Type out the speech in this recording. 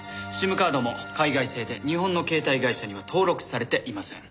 ＳＩＭカードも海外製で日本の携帯会社には登録されていません。